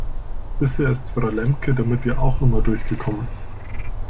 Bisher ist Frau Lemke damit ja auch immer durchgekommen.